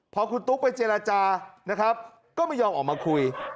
พอคุณตุ๊กไปเจรจานะครับก็ไม่ยอมออกมาคุย